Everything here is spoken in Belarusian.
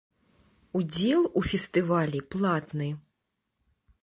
Удзел у фестывалі платны.